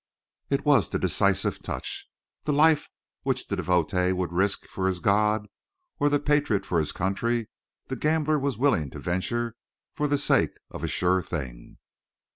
It was the decisive touch. The life which the devotee would risk for his God, or the patriot for his country, the gambler was willing to venture for the sake of a "sure thing."